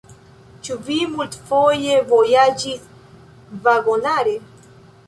Ĉu vi multfoje vojaĝis vagonare?